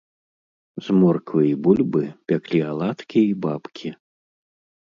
З морквы і бульбы пяклі аладкі і бабкі.